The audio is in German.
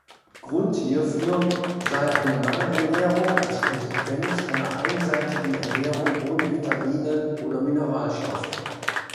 Grund hierfür sei eine Mangelernährung als Konsequenz einer einseitigen Ernährung ohne Vitamine oder Mineralstoffe.